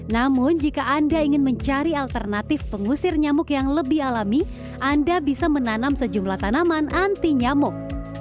namun jika anda ingin mencari alternatif pengusir nyamuk yang lebih alami anda bisa menanam sejumlah tanaman anti nyamuk